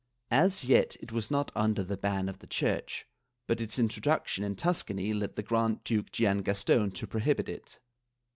As yet it was not under the ban of the Church, but its introduction in Tuscany led the Grand duke Gian Gastone to prohibit it.